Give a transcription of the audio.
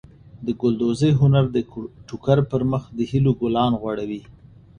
د ګلدوزۍ هنر د ټوکر پر مخ د هیلو ګلان غوړوي.